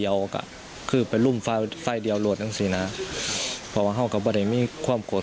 ช่วยแก่ไม่มีแง่อย่างความคิด